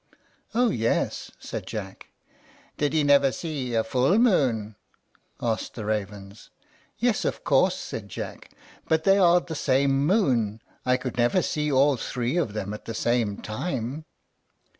"Oh yes," said Jack. "Did he never see a full moon?" asked the ravens. "Yes, of course," said Jack; "but they are the same moon. I could never see all three of them at the same time."